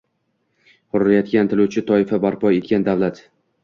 hurriyatga intiluvchi toifa barpo etgan davlat